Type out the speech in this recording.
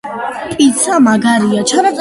პიცა მაგარია